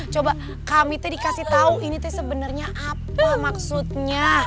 coba kami tuh dikasih tahu ini tuh sebenarnya apa maksudnya